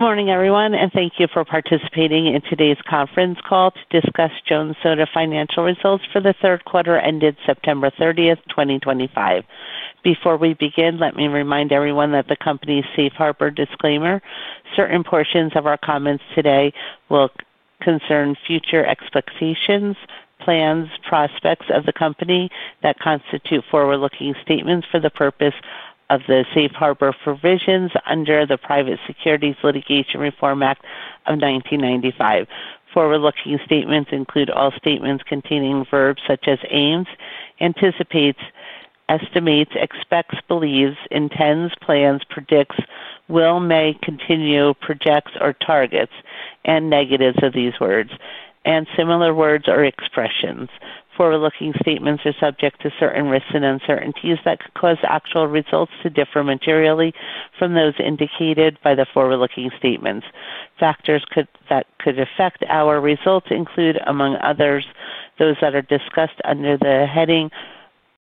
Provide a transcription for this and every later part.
Good morning, everyone, and thank you for participating in today's conference call to discuss Jones Soda financial results for the third quarter ended September 30th, 2025. Before we begin, let me remind everyone that the company's safe harbor disclaimer: certain portions of our comments today will concern future expectations, plans, prospects of the company that constitute forward-looking statements for the purpose of the safe harbor provisions under the Private Securities Litigation Reform Act of 1995. Forward-looking statements include all statements containing verbs such as aims, anticipates, estimates, expects, believes, intends, plans, predicts, will, may, continue, projects, or targets, and negatives of these words, and similar words or expressions. Forward-looking statements are subject to certain risks and uncertainties that could cause actual results to differ materially from those indicated by the forward-looking statements. Factors that could affect our results include, among others, those that are discussed under the heading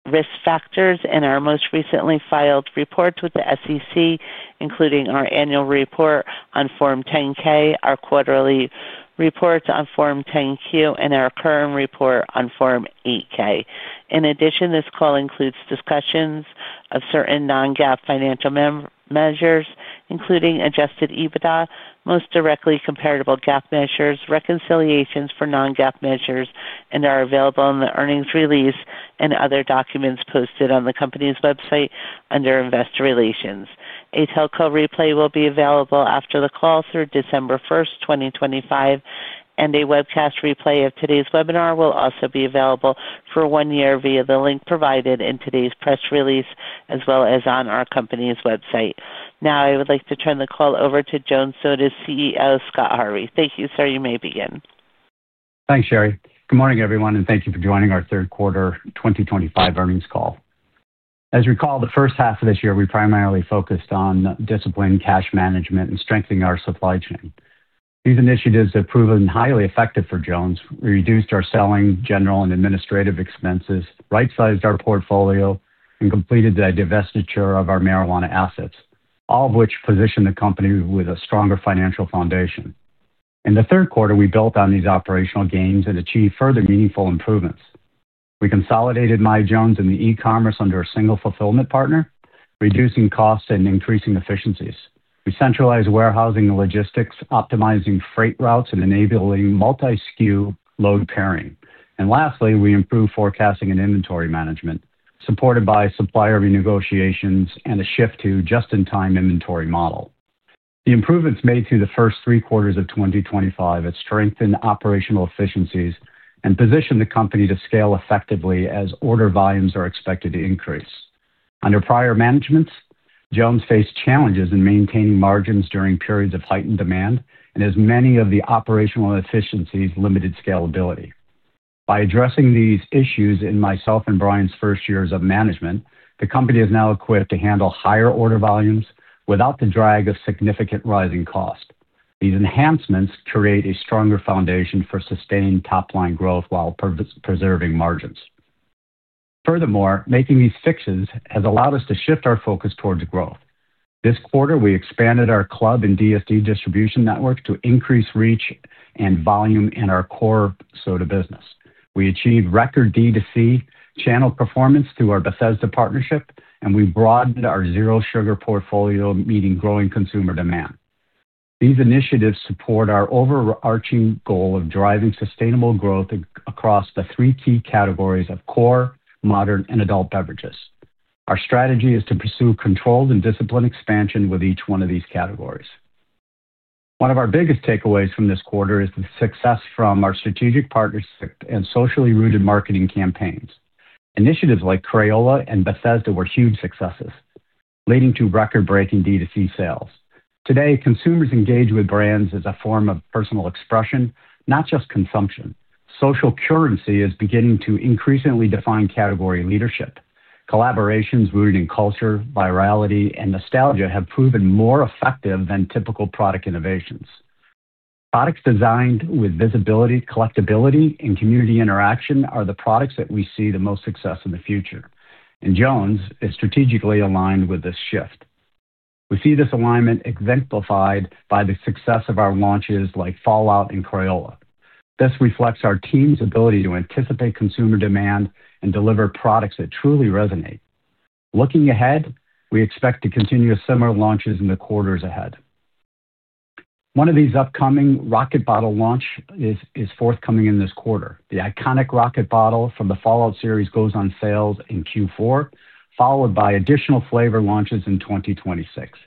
risk factors in our most recently filed reports with the SEC, including our annual report on Form 10-K, our quarterly reports on Form 10-Q, and our current report on Form 8-K. In addition, this call includes discussions of certain non-GAAP financial measures, including adjusted EBITDA, most directly comparable GAAP measures, reconciliations for non-GAAP measures, and are available in the earnings release and other documents posted on the company's website under investor relations. A telco replay will be available after the call through December 1st, 2025, and a webcast replay of today's webinar will also be available for one year via the link provided in today's press release, as well as on our company's website. Now, I would like to turn the call over to Jones Soda's CEO, Scott Harvey. Thank you, sir. You may begin. Thanks, Sherry. Good morning, everyone, and thank you for joining our third quarter 2025 earnings call. As you recall, the first half of this year, we primarily focused on discipline, cash management, and strengthening our supply chain. These initiatives have proven highly effective for Jones. We reduced our selling, general, and administrative expenses, right-sized our portfolio, and completed the divestiture of our marijuana assets, all of which positioned the company with a stronger financial foundation. In the third quarter, we built on these operational gains and achieved further meaningful improvements. We consolidated my Jones and the e-commerce under a single fulfillment partner, reducing costs and increasing efficiencies. We centralized warehousing and logistics, optimizing freight routes and enabling multi-skew load pairing. Lastly, we improved forecasting and inventory management, supported by supplier renegotiations and a shift to a just-in-time inventory model. The improvements made through the first three quarters of 2025 have strengthened operational efficiencies and positioned the company to scale effectively as order volumes are expected to increase. Under prior managements, Jones faced challenges in maintaining margins during periods of heightened demand, and as many of the operational efficiencies limited scalability. By addressing these issues in myself and Brian's first years of management, the company is now equipped to handle higher order volumes without the drag of significant rising costs. These enhancements create a stronger foundation for sustained top-line growth while preserving margins. Furthermore, making these fixes has allowed us to shift our focus towards growth. This quarter, we expanded our club and DSD distribution network to increase reach and volume in our Core Soda business. We achieved record DTC channel performance through our Bethesda partnership, and we broadened our Zero Sugar portfolio, meeting growing consumer demand. These initiatives support our overarching goal of driving sustainable growth across the three key categories of core, modern, and adult beverages. Our strategy is to pursue controlled and disciplined expansion with each one of these categories. One of our biggest takeaways from this quarter is the success from our strategic partnership and socially rooted marketing campaigns. Initiatives like Crayola and Bethesda were huge successes, leading to record-breaking DTC sales. Today, consumers engage with brands as a form of personal expression, not just consumption. Social currency is beginning to increasingly define category leadership. Collaborations rooted in culture, virality, and nostalgia have proven more effective than typical product innovations. Products designed with visibility, collectibility, and community interaction are the products that we see the most success in the future. Jones is strategically aligned with this shift. We see this alignment exemplified by the success of our launches like Fallout and Crayola. This reflects our team's ability to anticipate consumer demand and deliver products that truly resonate. Looking ahead, we expect to continue similar launches in the quarters ahead. One of these upcoming Rocket Bottle launches is forthcoming in this quarter. The iconic Rocket Bottle from the Fallout series goes on sale in Q4, followed by additional flavor launches in 2026.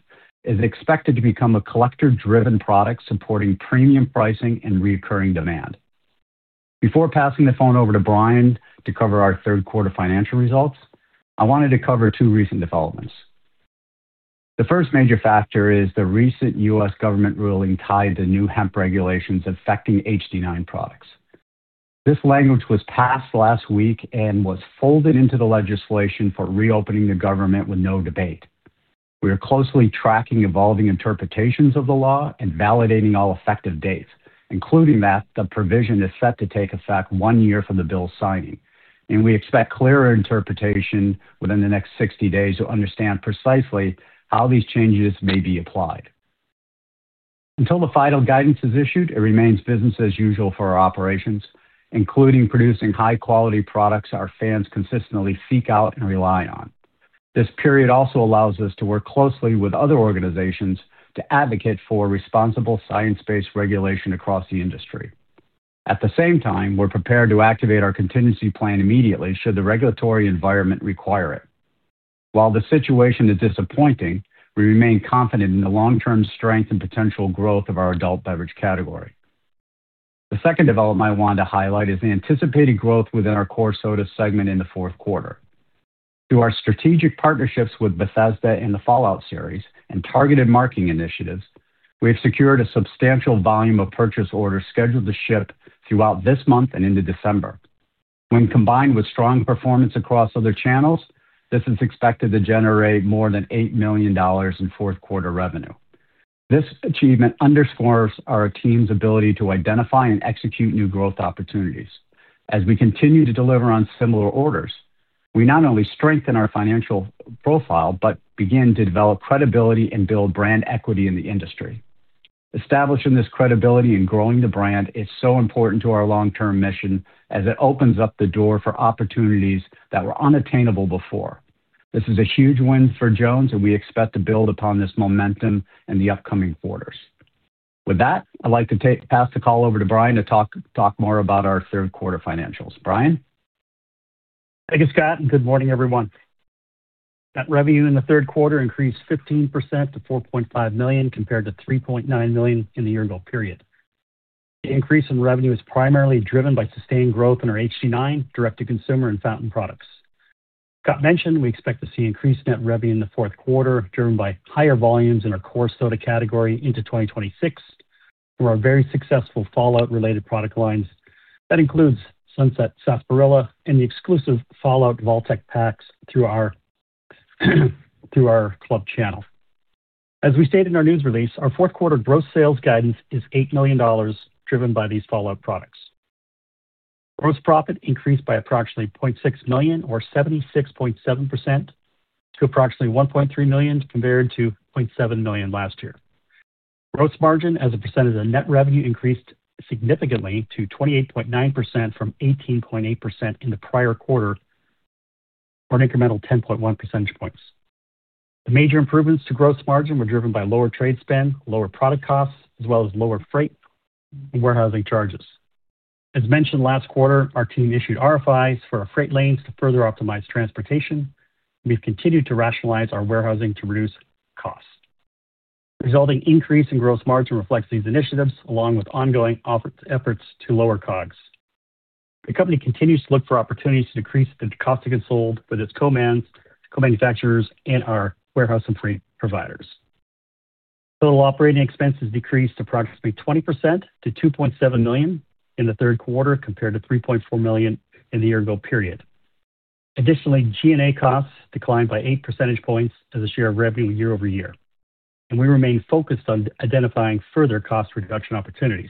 It is expected to become a collector-driven product supporting premium pricing and recurring demand. Before passing the phone over to Brian to cover our third quarter financial results, I wanted to cover two recent developments. The first major factor is the recent U.S. government ruling tied to new hemp regulations affecting HD9 products. This language was passed last week and was folded into the legislation for reopening the government with no debate. We are closely tracking evolving interpretations of the law and validating all effective dates, including that the provision is set to take effect one year from the bill signing. We expect clearer interpretation within the next 60 days to understand precisely how these changes may be applied. Until the final guidance is issued, it remains business as usual for our operations, including producing high-quality products our fans consistently seek out and rely on. This period also allows us to work closely with other organizations to advocate for responsible science-based regulation across the industry. At the same time, we're prepared to activate our contingency plan immediately should the regulatory environment require it. While the situation is disappointing, we remain confident in the long-term strength and potential growth of our adult beverage category. The second development I want to highlight is the anticipated growth within our Core Soda segment in the fourth quarter. Through our strategic partnerships with Bethesda in the Fallout series and targeted marketing initiatives, we have secured a substantial volume of purchase orders scheduled to ship throughout this month and into December. When combined with strong performance across other channels, this is expected to generate more than $8 million in fourth quarter revenue. This achievement underscores our team's ability to identify and execute new growth opportunities. As we continue to deliver on similar orders, we not only strengthen our financial profile but begin to develop credibility and build brand equity in the industry. Establishing this credibility and growing the brand is so important to our long-term mission as it opens up the door for opportunities that were unattainable before. This is a huge win for Jones, and we expect to build upon this momentum in the upcoming quarters. With that, I'd like to pass the call over to Brian to talk more about our third quarter financials. Brian. Thank you, Scott. Good morning, everyone. Net revenue in the third quarter increased 15% to $4.5 million compared to $3.9 million in the year-to-date period. The increase in revenue is primarily driven by sustained growth in our HD9, direct-to-consumer, and fountain products. Scott mentioned we expect to see increased net revenue in the fourth quarter driven by higher volumes in our Core Soda category into 2026 through our very successful Fallout-related product lines that includes Sunset Saparilla and the exclusive Fallout Vault-Tec Packs through our club channel. As we stated in our news release, our fourth quarter gross sales guidance is $8 million driven by these Fallout products. Gross profit increased by approximately $0.6 million, or 76.7%, to approximately $1.3 million compared to $0.7 million last year. Gross margin, as a percentage of net revenue, increased significantly to 28.9% from 18.8% in the prior quarter, or an incremental 10.1 percentage points. The major improvements to gross margin were driven by lower trade spend, lower product costs, as well as lower freight and warehousing charges. As mentioned last quarter, our team issued RFIs for our freight lanes to further optimize transportation. We've continued to rationalize our warehousing to reduce costs. The resulting increase in gross margin reflects these initiatives, along with ongoing efforts to lower COGS. The company continues to look for opportunities to decrease the cost of goods sold with its co-manufacturers and our warehouse and freight providers. Total operating expenses decreased approximately 20% to $2.7 million in the third quarter compared to $3.4 million in the year-to-date period. Additionally, G&A costs declined by 8 percentage points as a share of revenue year-over-year. We remain focused on identifying further cost reduction opportunities.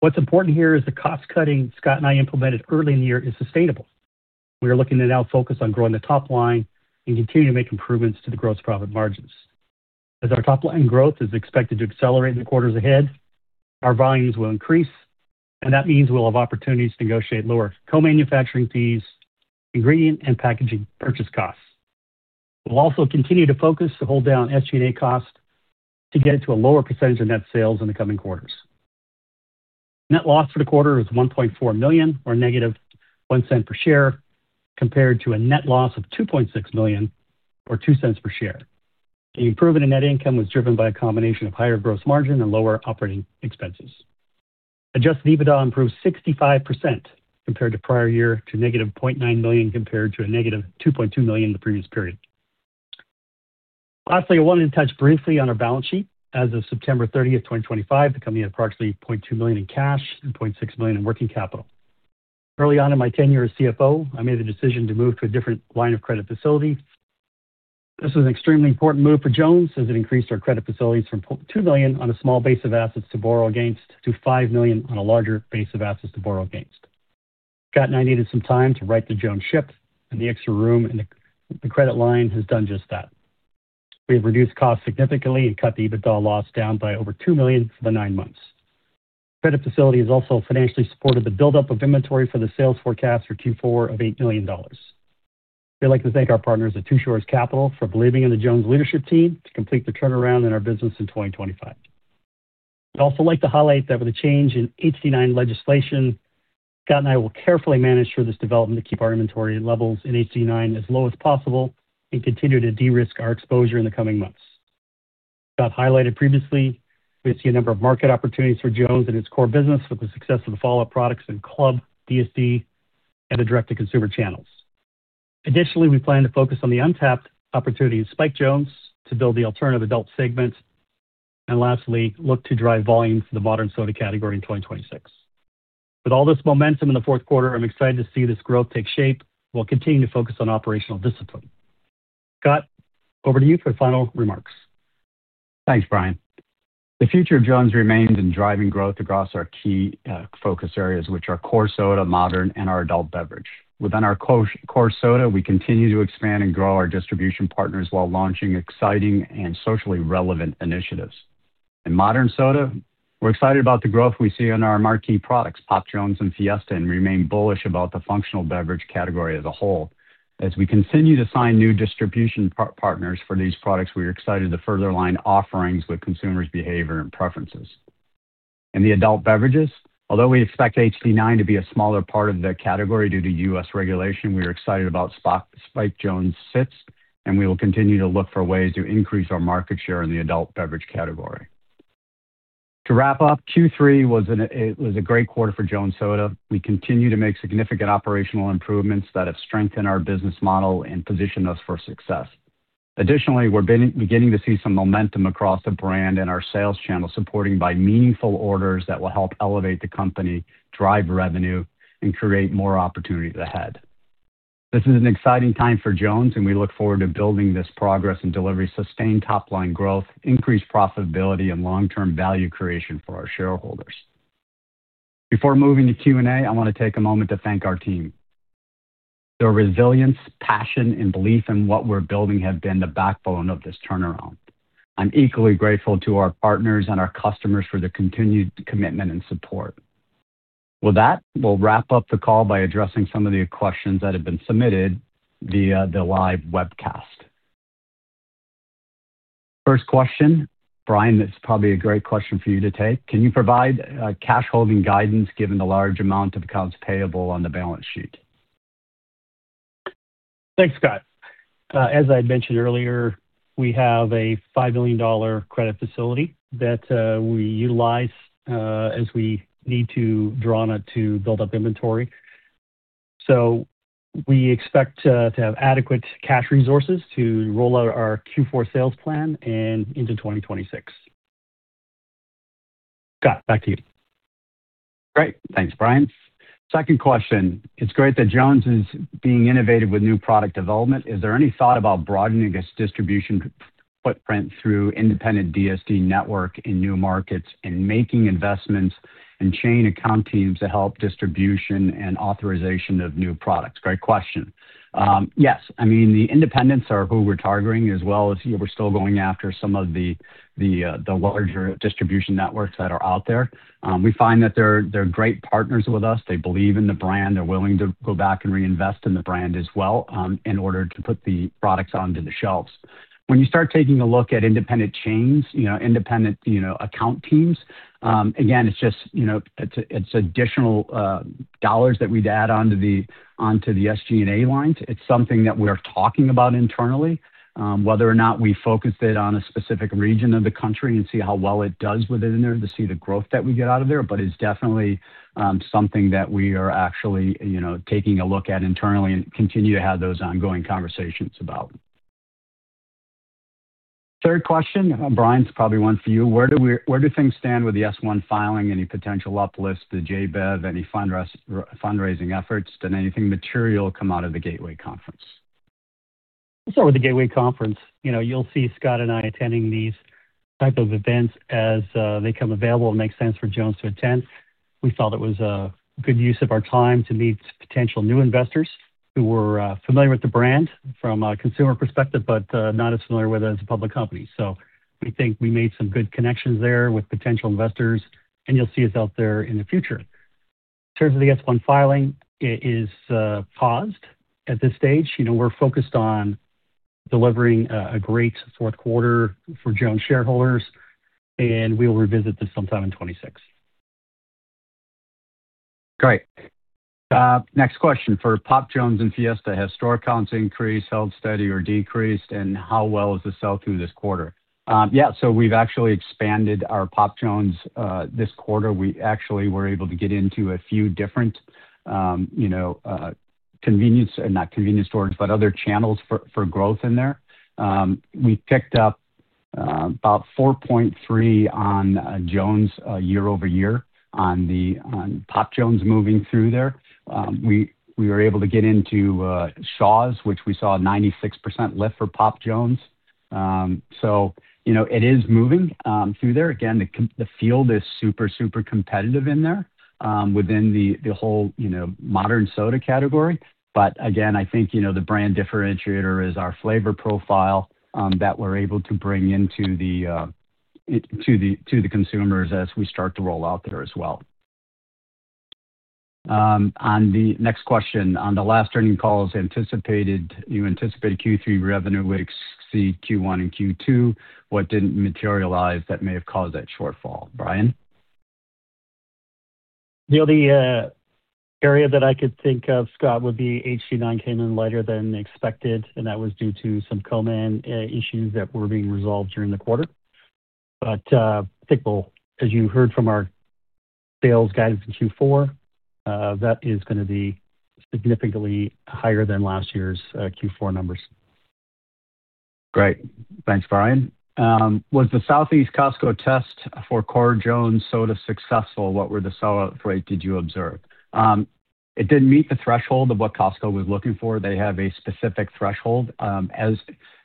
What's important here is the cost-cutting Scott and I implemented early in the year is sustainable. We are looking to now focus on growing the top line and continue to make improvements to the gross profit margins. As our top line growth is expected to accelerate in the quarters ahead, our volumes will increase, and that means we'll have opportunities to negotiate lower co-manufacturing fees, ingredient, and packaging purchase costs. We'll also continue to focus to hold down SG&A costs to get to a lower percentage of net sales in the coming quarters. Net loss for the quarter was $1.4 million, or -$0.01 per share, compared to a net loss of $2.6 million, or $0.02 per share. The improvement in net income was driven by a combination of higher gross margin and lower operating expenses. Adjusted EBITDA improved 65% compared to prior year to negative $0.9 million compared to a negative $2.2 million in the previous period. Lastly, I wanted to touch briefly on our balance sheet. As of September 30th, 2025, the company had approximately $0.2 million in cash and $0.6 million in working capital. Early on in my tenure as CFO, I made the decision to move to a different line of credit facility. This was an extremely important move for Jones as it increased our credit facilities from $2 million on a small base of assets to borrow against to $5 million on a larger base of assets to borrow against. Scott and I needed some time to right the Jones ship, and the extra room in the credit line has done just that. We have reduced costs significantly and cut the EBITDA loss down by over $2 million for the nine months. Credit facility has also financially supported the buildup of inventory for the sales forecast for Q4 of $8 million. We'd like to thank our partners at Two Shores Capital for believing in the Jones leadership team to complete the turnaround in our business in 2025. I'd also like to highlight that with the change in HD9 legislation, Scott and I will carefully manage through this development to keep our inventory levels in HD9 as low as possible and continue to de-risk our exposure in the coming months. Scott highlighted previously, we see a number of market opportunities for Jones and its core business with the success of the Fallout products and club, DSD, and the direct-to-consumer channels. Additionally, we plan to focus on the untapped opportunity in Spike Jones to build the alternative adult segment, and lastly, look to drive volume for the modern soda category in 2026. With all this momentum in the fourth quarter, I'm excited to see this growth take shape while continuing to focus on operational discipline. Scott, over to you for final remarks. Thanks, Brian. The future of Jones remains in driving growth across our key focus areas, which are core soda, modern, and our adult beverage. Within our core soda, we continue to expand and grow our distribution partners while launching exciting and socially relevant initiatives. In modern soda, we're excited about the growth we see in our marquee products, Pop Jones and Fiesta, and remain bullish about the functional beverage category as a whole. As we continue to sign new distribution partners for these products, we are excited to further align offerings with consumers' behavior and preferences. In the adult beverages, although we expect HD9 to be a smaller part of the category due to U.S. regulation, we are excited about Spike Jones SITs, and we will continue to look for ways to increase our market share in the adult beverage category. To wrap up, Q3 was a great quarter for Jones Soda. We continue to make significant operational improvements that have strengthened our business model and positioned us for success. Additionally, we're beginning to see some momentum across the brand and our sales channel supported by meaningful orders that will help elevate the company, drive revenue, and create more opportunities ahead. This is an exciting time for Jones, and we look forward to building this progress and delivering sustained top-line growth, increased profitability, and long-term value creation for our shareholders. Before moving to Q&A, I want to take a moment to thank our team. Their resilience, passion, and belief in what we're building have been the backbone of this turnaround. I'm equally grateful to our partners and our customers for their continued commitment and support. With that, we'll wrap up the call by addressing some of the questions that have been submitted via the live webcast. First question, Brian, this is probably a great question for you to take. Can you provide cash holding guidance given the large amount of accounts payable on the balance sheet? Thanks, Scott. As I had mentioned earlier, we have a $5 million credit facility that we utilize as we need to draw on it to build up inventory. We expect to have adequate cash resources to roll out our Q4 sales plan into 2026. Scott, back to you. Great. Thanks, Brian. Second question. It's great that Jones is being innovative with new product development. Is there any thought about broadening its distribution footprint through independent DSD network in new markets and making investments in chain account teams to help distribution and authorization of new products? Great question. Yes. I mean, the independents are who we're targeting, as well as we're still going after some of the larger distribution networks that are out there. We find that they're great partners with us. They believe in the brand. They're willing to go back and reinvest in the brand as well in order to put the products onto the shelves. When you start taking a look at independent chains, independent account teams, again, it's just additional dollars that we'd add onto the SG&A lines. It's something that we're talking about internally, whether or not we focus it on a specific region of the country and see how well it does within there to see the growth that we get out of there, but it's definitely something that we are actually taking a look at internally and continue to have those ongoing conversations about. Third question, Brian, it's probably one for you. Where do things stand with the S1 filing, any potential uplifts to JBEV, any fundraising efforts? Did anything material come out of the Gateway Conference? With the Gateway Conference, you'll see Scott and I attending these types of events as they come available and make sense for Jones to attend. We felt it was a good use of our time to meet potential new investors who were familiar with the brand from a consumer perspective but not as familiar with it as a public company. We think we made some good connections there with potential investors, and you'll see us out there in the future. In terms of the S1 filing, it is paused at this stage. We're focused on delivering a great fourth quarter for Jones shareholders, and we'll revisit this sometime in 2026. Great. Next question. For Pop Jones and Fiesta, has store accounts increased, held steady, or decreased, and how well has this held through this quarter? Yeah. So we've actually expanded our Pop Jones this quarter. We actually were able to get into a few different—not convenience stores, but other channels for growth in there. We picked up about 4.3 on Jones year-over-year on Pop Jones moving through there. We were able to get into Shaw's, which we saw a 96% lift for Pop Jones. It is moving through there. Again, the field is super, super competitive in there within the whole modern soda category. Again, I think the brand differentiator is our flavor profile that we're able to bring into the consumers as we start to roll out there as well. On the next question, on the last earning calls, you anticipated Q3 revenue would exceed Q1 and Q2. What didn't materialize that may have caused that shortfall? Brian? The only area that I could think of, Scott, would be HD9 came in later than expected, and that was due to some co-man issues that were being resolved during the quarter. I think, as you heard from our sales guidance in Q4, that is going to be significantly higher than last year's Q4 numbers. Great. Thanks, Brian. Was the Southeast Costco test for Core Jones Soda successful? What were the sell-out rates did you observe? It did not meet the threshold of what Costco was looking for. They have a specific threshold.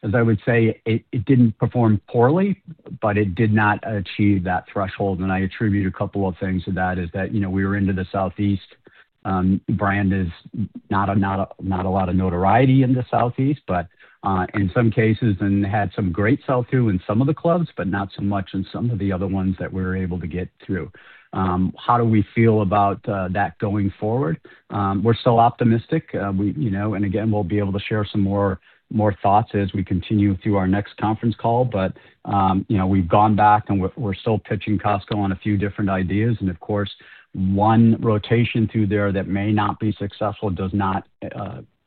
As I would say, it did not perform poorly, but it did not achieve that threshold. I attribute a couple of things to that. We were into the Southeast. Brand is not a lot of notoriety in the Southeast, but in some cases, it had some great sell-through in some of the clubs, but not so much in some of the other ones that we were able to get through. How do we feel about that going forward? We are still optimistic. We will be able to share some more thoughts as we continue through our next conference call. We have gone back, and we are still pitching Costco on a few different ideas. Of course, one rotation through there that may not be successful does not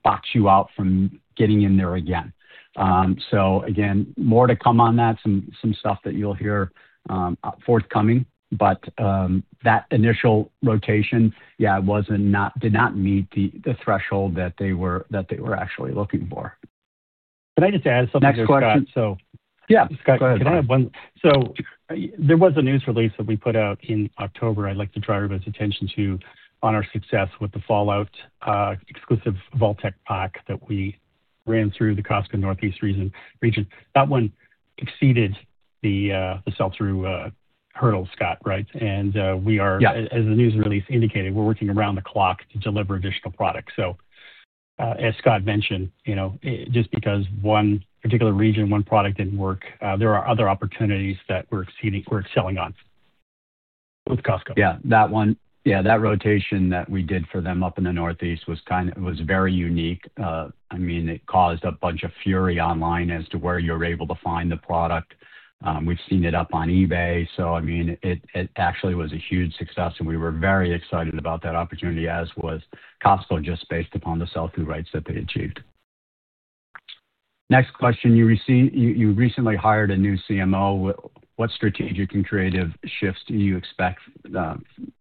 box you out from getting in there again. More to come on that, some stuff that you will hear forthcoming. That initial rotation, yeah, did not meet the threshold that they were actually looking for. Can I just add something? Next question. So. Yeah. Scott, go ahead. Can I add one? There was a news release that we put out in October I would like to draw everybody's attention to on our success with the Fallout exclusive Vault-Tec Pack that we ran through the Costco Northeast region. That one exceeded the sell-through hurdle, Scott, right? As the news release indicated, we are working around the clock to deliver additional products. As Scott mentioned, just because one particular region, one product did not work, there are other opportunities that we are excelling on with Costco. Yeah. That rotation that we did for them up in the Northeast was very unique. I mean, it caused a bunch of fury online as to where you're able to find the product. We've seen it up on eBay. I mean, it actually was a huge success, and we were very excited about that opportunity as was Costco just based upon the sell-through rates that they achieved. Next question. You recently hired a new CMO. What strategic and creative shifts do you expect this to bring?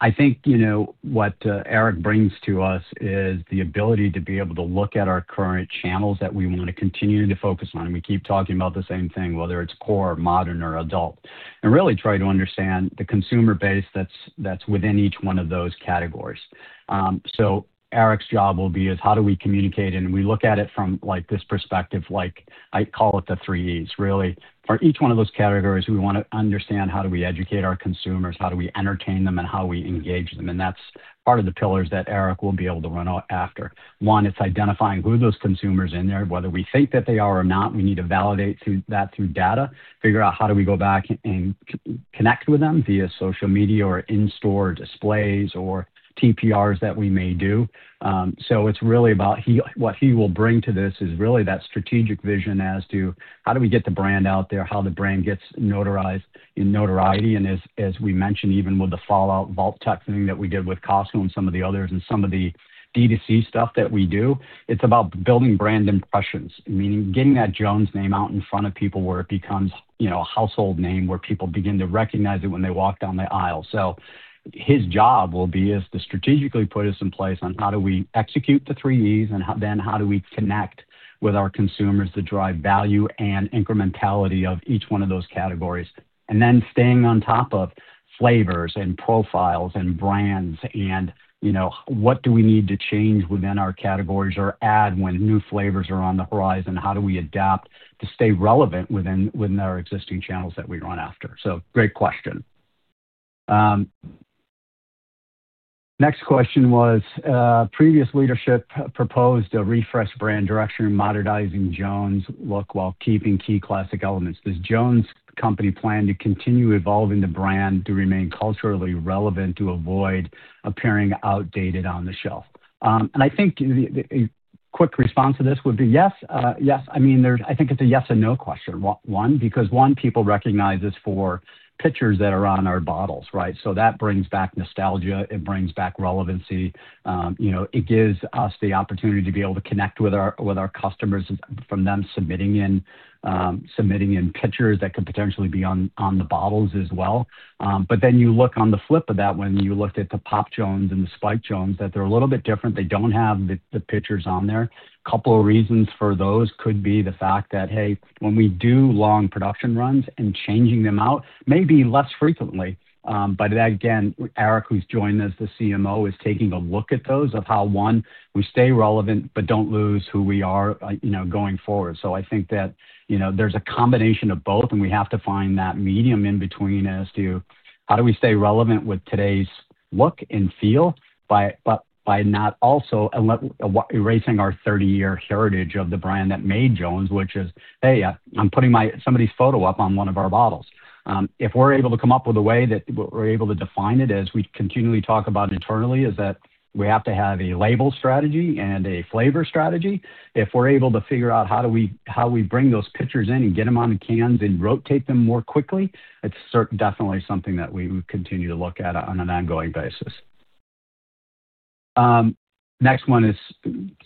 I hhink what Eric brings to us is the ability to be able to look at our current channels that we want to continue to focus on. We keep talking about the same thing, whether it's core, modern, or adult, and really try to understand the consumer base that's within each one of those categories. Eric's job will be is how do we communicate? We look at it from this perspective. I call it the three E's, really. For each one of those categories, we want to understand how do we educate our consumers, how do we entertain them, and how we engage them. That's part of the pillars that Eric will be able to run after. One, it's identifying who those consumers are in there, whether we think that they are or not. We need to validate that through data, figure out how do we go back and connect with them via social media or in-store displays or TPRs that we may do. It's really about what he will bring to this is really that strategic vision as to how do we get the brand out there, how the brand gets notarized in notoriety. As we mentioned, even with the Fallout Vault-Tec thing that we did with Costco and some of the others and some of the DTC stuff that we do, it's about building brand impressions, meaning getting that Jones name out in front of people where it becomes a household name, where people begin to recognize it when they walk down the aisle. His job will be to strategically put us in place on how do we execute the three E's and then how do we connect with our consumers to drive value and incrementality of each one of those categories. Staying on top of flavors and profiles and brands and what do we need to change within our categories or add when new flavors are on the horizon is important. How do we adapt to stay relevant within our existing channels that we run after? Great question. Next question was, previous leadership proposed a refreshed brand direction, modernizing Jones look while keeping key classic elements. Does Jones company plan to continue evolving the brand to remain culturally relevant to avoid appearing outdated on the shelf? I think a quick response to this would be yes. Yes. I mean, I think it's a yes or no question. One, because people recognize us for pictures that are on our bottles, right? That brings back nostalgia. It brings back relevancy. It gives us the opportunity to be able to connect with our customers from them submitting in pictures that could potentially be on the bottles as well. You look on the flip of that when you looked at the Pop Jones and the Spike Jones, they're a little bit different. They don't have the pictures on there. A couple of reasons for those could be the fact that, hey, when we do long production runs and changing them out, maybe less frequently. Again, Eric, who's joined as the CMO, is taking a look at those of how, one, we stay relevant but don't lose who we are going forward. I think that there's a combination of both, and we have to find that medium in between as to how do we stay relevant with today's look and feel by not also erasing our 30-year heritage of the brand that made Jones, which is, hey, I'm putting somebody's photo up on one of our bottles. If we're able to come up with a way that we're able to define it as we continually talk about internally, is that we have to have a label strategy and a flavor strategy. If we're able to figure out how do we bring those pictures in and get them on the cans and rotate them more quickly, it's definitely something that we would continue to look at on an ongoing basis. Next one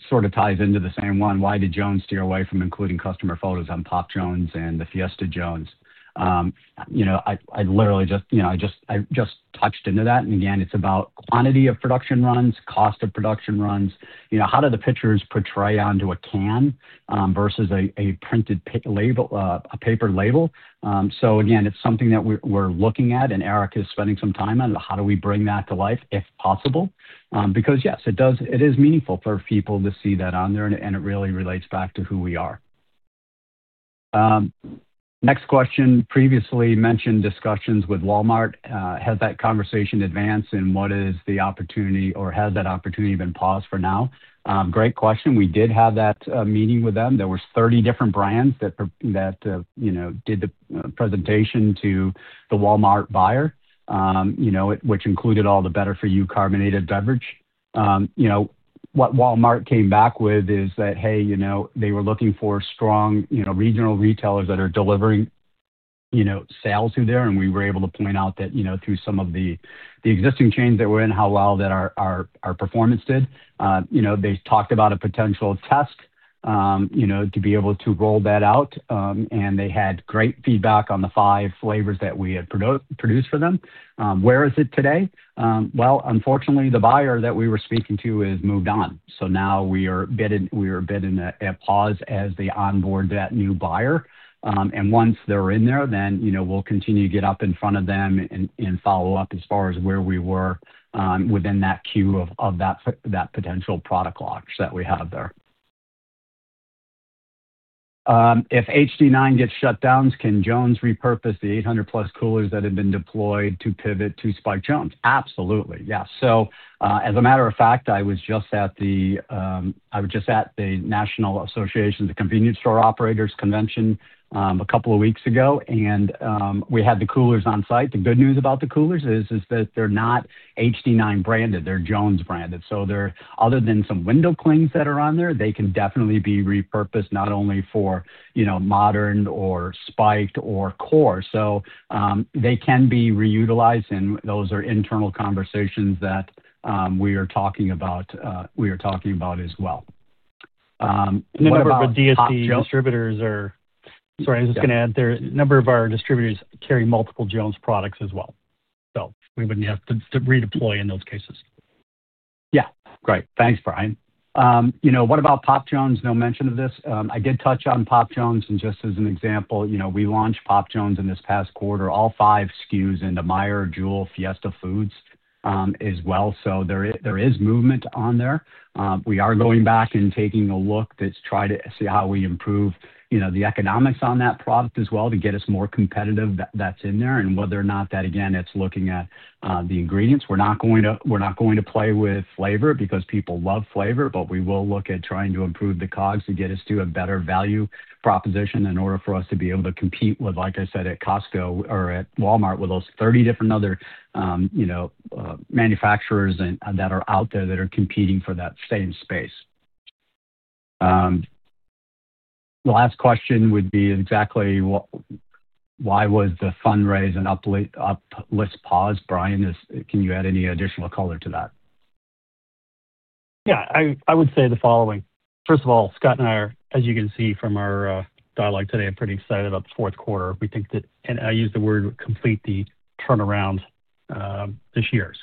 sort of ties into the same one. Why did Jones steer away from including customer photos on Pop Jones and the Fiesta Jones? I literally just touched into that. Again, it's about quantity of production runs, cost of production runs. How do the pictures portray onto a can versus a printed paper label? Again, it's something that we're looking at, and Eric is spending some time on it. How do we bring that to life if possible? Because yes, it is meaningful for people to see that on there, and it really relates back to who we are. Next question. Previously mentioned discussions with Walmart. Has that conversation advanced, and what is the opportunity, or has that opportunity been paused for now? Great question. We did have that meeting with them. There were 30 different brands that did the presentation to the Walmart buyer, which included all the Better For You carbonated beverage. What Walmart came back with is that, hey, they were looking for strong regional retailers that are delivering sales through there. And we were able to point out that through some of the existing chains that we were in, how well that our performance did. They talked about a potential test to be able to roll that out, and they had great feedback on the five flavors that we had produced for them. Where is it today? Unfortunately, the buyer that we were speaking to has moved on. Now we are a bit in a pause as they onboard that new buyer. Once they're in there, then we'll continue to get up in front of them and follow up as far as where we were within that queue of that potential product launch that we have there. If HD9 gets shut down, can Jones repurpose the 800-plus coolers that have been deployed to pivot to Spike Jones? Absolutely. Yes. As a matter of fact, I was just at the National Association of Convenience Stores Convention a couple of weeks ago, and we had the coolers on site. The good news about the coolers is that they're not HD9 branded. They're Jones branded. Other than some window clings that are on there, they can definitely be repurposed not only for modern or Spike or Core. They can be reutilized, and those are internal conversations that we are talking about. We are talking about as well. What about the DSD distributors? Sorry, I was just going to add there, a number of our distributors carry multiple Jones products as well. We would not have to redeploy in those cases. Yeah. Great. Thanks, Brian. What about Pop Jones? No mention of this. I did touch on Pop Jones. Just as an example, we launched Pop Jones in this past quarter, all five SKUs into Meyer, Jewel, Fiesta Foods as well. There is movement on there. We are going back and taking a look to try to see how we improve the economics on that product as well to get us more competitive, that is in there, and whether or not that, again, it is looking at the ingredients. We're not going to play with flavor because people love flavor, but we will look at trying to improve the COGS to get us to a better value proposition in order for us to be able to compete with, like I said, at Costco or at Walmart with those 30 different other manufacturers that are out there that are competing for that same space. The last question would be exactly why was the fundraising uplift paused? Brian, can you add any additional color to that? Yeah. I would say the following. First of all, Scott and I, as you can see from our dialogue today, are pretty excited about the fourth quarter. We think that, and I use the word complete, the turnaround this year.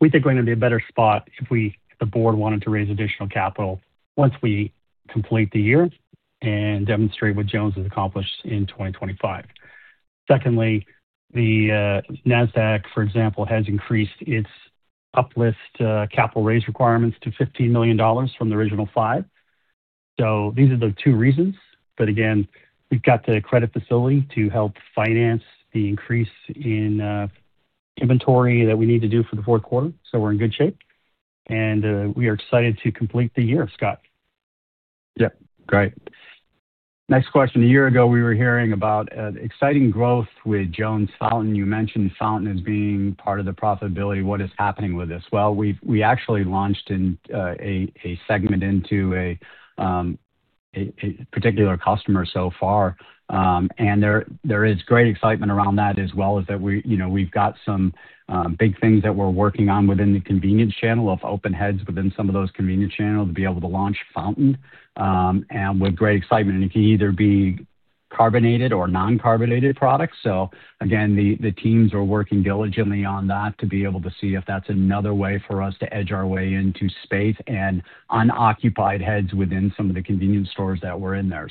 We think we're going to be in a better spot if the board wanted to raise additional capital once we complete the year and demonstrate what Jones has accomplished in 2025. Secondly, the NASDAQ, for example, has increased its uplift capital raise requirements to $15 million from the original $5 million. These are the two reasons. Again, we've got the credit facility to help finance the increase in inventory that we need to do for the fourth quarter. We're in good shape, and we are excited to complete the year, Scott. Yep. Great. Next question. A year ago, we were hearing about exciting growth with Jones Fountain. You mentioned Fountain as being part of the profitability. What is happening with this? We actually launched a segment into a particular customer so far, and there is great excitement around that as well as that we've got some big things that we're working on within the convenience channel of open heads within some of those convenience channels to be able to launch Fountain with great excitement. It can either be carbonated or non-carbonated products. Again, the teams are working diligently on that to be able to see if that's another way for us to edge our way into space and unoccupied heads within some of the convenience stores that were in there.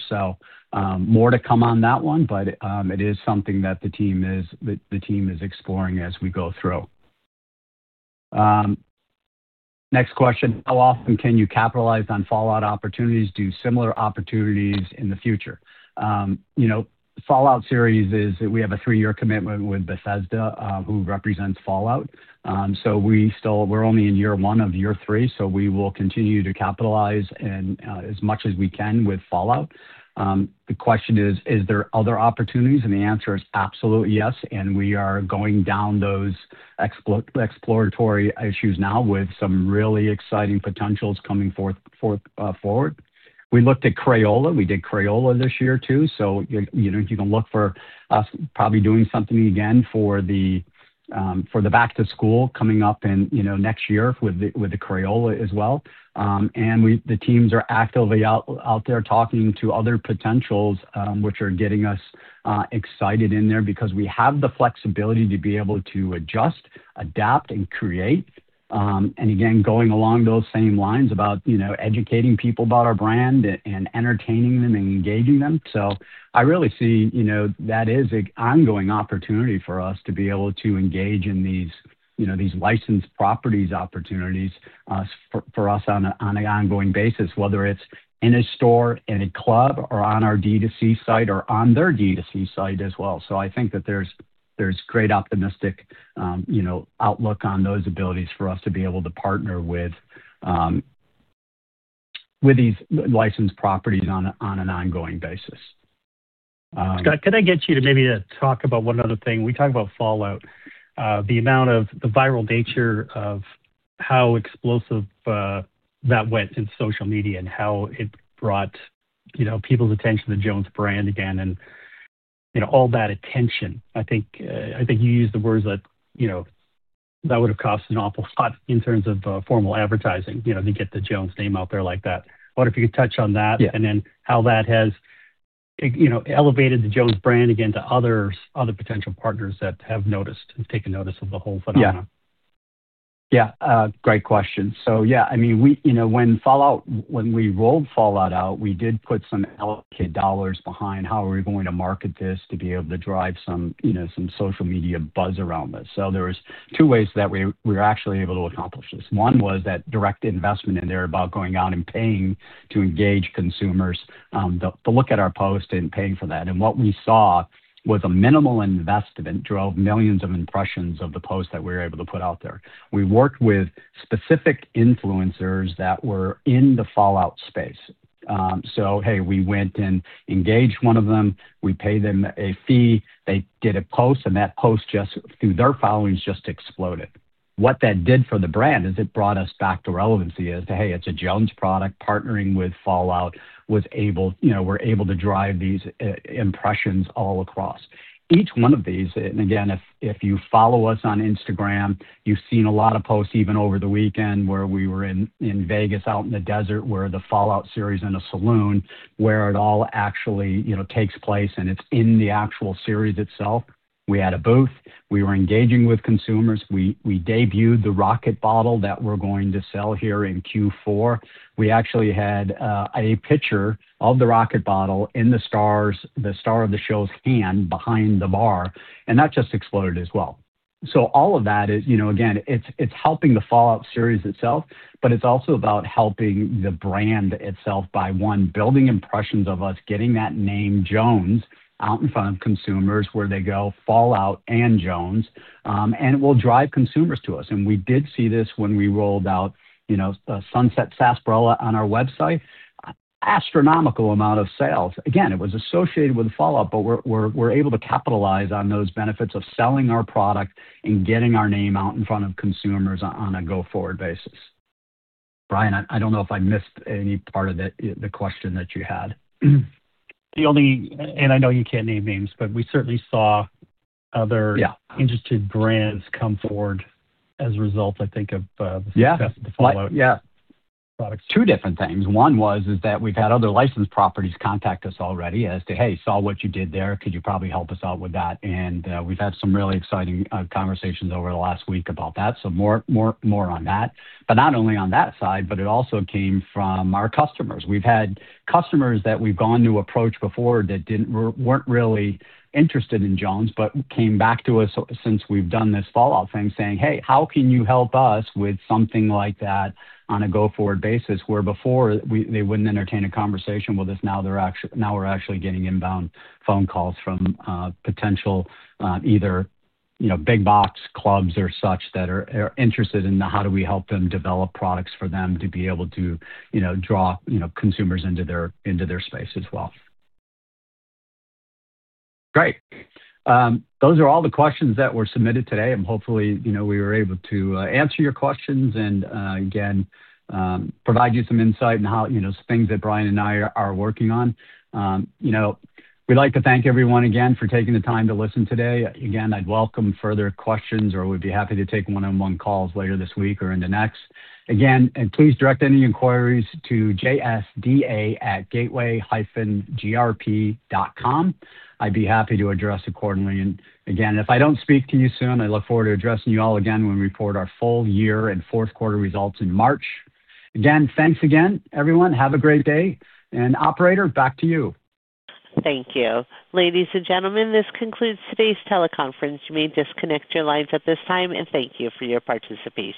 More to come on that one, but it is something that the team is exploring as we go through. Next question. How often can you capitalize on Fallout opportunities? Do similar opportunities in the future? Fallout series is that we have a three-year commitment with Bethesda, who represents Fallout. We are only in year one of year three, so we will continue to capitalize as much as we can with Fallout. The question is, is there other opportunities? The answer is absolute yes. We are going down those exploratory issues now with some really exciting potentials coming forward. We looked at Crayola. We did Crayola this year too. You can look for us probably doing something again for the back-to-school coming up next year with the Crayola as well. The teams are actively out there talking to other potentials, which are getting us excited in there because we have the flexibility to be able to adjust, adapt, and create. Again, going along those same lines about educating people about our brand and entertaining them and engaging them. I really see that as an ongoing opportunity for us to be able to engage in these licensed properties opportunities for us on an ongoing basis, whether it is in a store, in a club, or on our DTC site or on their DTC site as well. I think that there is great optimistic outlook on those abilities for us to be able to partner with these licensed properties on an ongoing basis. Scott, can I get you to maybe talk about one other thing? We talked about Fallout, the amount of the viral nature of how explosive that went in social media and how it brought people's attention to the Jones brand again and all that attention. I think you used the words that that would have cost an awful lot in terms of formal advertising to get the Jones name out there like that. What if you could touch on that and then how that has elevated the Jones brand again to other potential partners that have noticed and taken notice of the whole phenomenon? Yeah. Yeah. Great question. Yeah, I mean, when we rolled Fallout out, we did put some allocated dollars behind how we were going to market this to be able to drive some social media buzz around this. There were two ways that we were actually able to accomplish this. One was that direct investment in there about going out and paying to engage consumers to look at our post and paying for that. What we saw was a minimal investment drove millions of impressions of the post that we were able to put out there. We worked with specific influencers that were in the Fallout space. Hey, we went and engaged one of them. We paid them a fee. They did a post, and that post just, through their followings, just exploded. What that did for the brand is it brought us back to relevancy as to, hey, it's a Jones product. Partnering with Fallout was able, we're able to drive these impressions all across. Each one of these, and again, if you follow us on Instagram, you've seen a lot of posts even over the weekend where we were in Vegas out in the desert where the Fallout series, in a saloon where it all actually takes place and it's in the actual series itself. We had a booth. We were engaging with consumers. We debuted the Rocket Bottle that we're going to sell here in Q4. We actually had a picture of the Rocket Bottle in the star of the show's hand behind the bar, and that just exploded as well. All of that is, again, it's helping the Fallout series itself, but it's also about helping the brand itself by, one, building impressions of us, getting that name Jones out in front of consumers where they go, "Fallout and Jones," and it will drive consumers to us. We did see this when we rolled out Sunset Saparilla on our website. Astronomical amount of sales. Again, it was associated with Fallout, but we're able to capitalize on those benefits of selling our product and getting our name out in front of consumers on a go-forward basis. Brian, I don't know if I missed any part of the question that you had. I know you can't name names, but we certainly saw other interested brands come forward as a result, I think, of the success of the Fallout products. Yeah. Two different things. One was that we've had other licensed properties contact us already as to, "Hey, saw what you did there. Could you probably help us out with that?" We've had some really exciting conversations over the last week about that. More on that. Not only on that side, it also came from our customers. We've had customers that we've gone to approach before that weren't really interested in Jones but came back to us since we've done this Fallout thing saying, "Hey, how can you help us with something like that on a go-forward basis?" Where before, they wouldn't entertain a conversation with us. Now we're actually getting inbound phone calls from potential either big box clubs or such that are interested in how do we help them develop products for them to be able to draw consumers into their space as well. Great. Those are all the questions that were submitted today. Hopefully, we were able to answer your questions and, again, provide you some insight and things that Brian and I are working on. We'd like to thank everyone again for taking the time to listen today. I'd welcome further questions, or we'd be happy to take one-on-one calls later this week or in the next. Please direct any inquiries to jsday@gateway-grp.com. I'd be happy to address accordingly. If I don't speak to you soon, I look forward to addressing you all again when we report our full year and fourth quarter results in March. Thanks again, everyone. Have a great day. Operator, back to you. Thank you. Ladies and gentlemen, this concludes today's teleconference. You may disconnect your lines at this time, and thank you for your participation.